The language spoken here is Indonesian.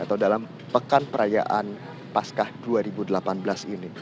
atau dalam pekan perayaan pascah dua ribu delapan belas ini